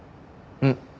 うん。